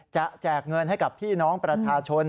แจกเงินให้กับพี่น้องประชาชน